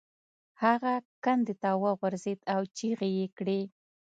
هغه کندې ته وغورځید او چیغې یې کړې.